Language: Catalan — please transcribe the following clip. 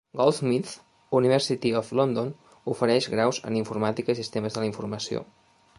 Goldsmiths, University of London ofereix graus en Informàtica i Sistemes de la Informació.